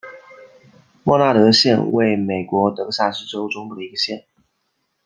默纳德县位美国德克萨斯州中部的一个县。